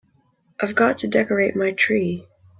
I've got to decorate my tree.